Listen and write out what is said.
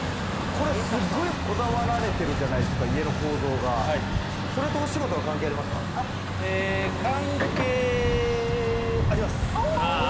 すごいこだわられてるじゃないですか、家の構造が。それとお仕事は関係ありますか？関係あります。